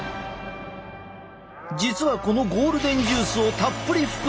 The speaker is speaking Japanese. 実はこのゴールデンジュースをたっぷり含んだ肉がある。